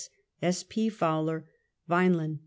S. P. Fowler, Vineland, K.